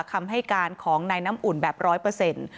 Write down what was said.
คำให้การของนายน้ำอุ่นแบบร้อยเปอร์เซ็นต์